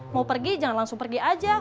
mau pergi jangan langsung pergi aja